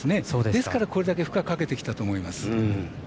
ですから、これだけ負荷をかけてきたと思います。